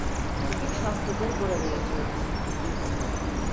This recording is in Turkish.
Üç haftadır burada yatıyorsun…